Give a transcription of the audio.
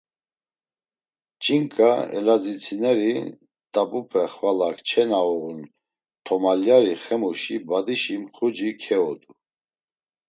Ç̌inǩa, elazitsineri, t̆abupe xvala kçe na uğun tomalyari xemuşi badişi mxuci keodu.